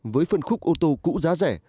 với phần khúc ô tô cũ giá rẻ